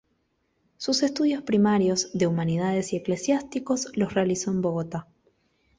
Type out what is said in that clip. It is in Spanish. Sus estudios primarios, de humanidades y eclesiásticos los realizó en Bogotá.